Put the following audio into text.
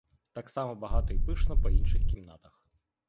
Так само багато й пишно по інших кімнатах.